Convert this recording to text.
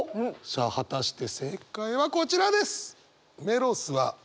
さあ果たして正解はこちらです！